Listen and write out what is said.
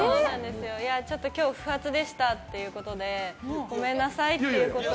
ちょっと今日不発でしたっていうことでごめんなさいっていうことを。